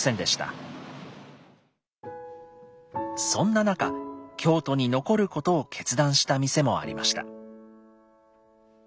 そんな中京都に残ることを決断した店もありました。